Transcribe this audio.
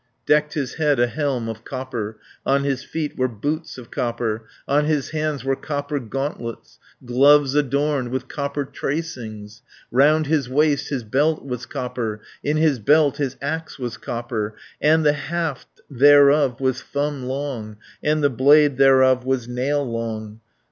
Decked his head a helm of copper, On his feet were boots of copper, On his hands were copper gauntlets. Gloves adorned with copper tracings; 120 Round his waist his belt was copper; In his belt his axe was copper; And the haft thereof was thumb long, And the blade thereof was nail long.